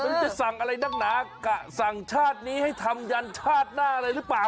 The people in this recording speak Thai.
มันจะสั่งอะไรนักหนากะสั่งชาตินี้ให้ทำยันชาติหน้าอะไรหรือเปล่า